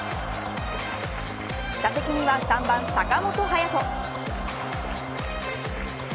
打席には３番、坂本勇人。